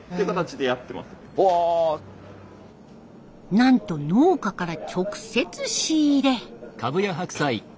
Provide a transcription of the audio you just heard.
なんと農家から直接仕入れ。